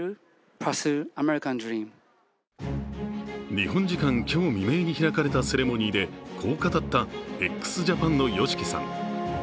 日本時間今日未明に開かれたセレモニーでこう語ったＸＪＡＰＡＮのＹＯＳＨＩＫＩさん。